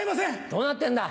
どうなってんだ。